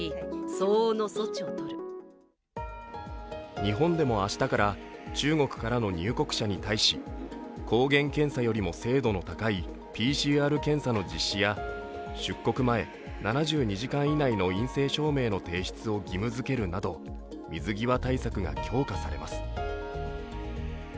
日本でも明日から中国からの入国者に対し抗原検査よりも精度の高いＰＣＲ検査の実施や出国前７２時間以内の陰性証明の提出を義務づけるなど、水際対策が強化されます。